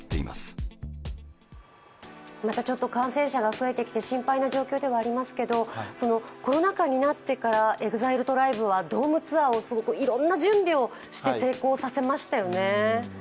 またちょっと感染者が増えてきて心配な状況ではありますけどコロナ禍になってからＥＸＩＬＥＴＲＩＢＥはドームツアーをいろんな準備をして成功させましたよね。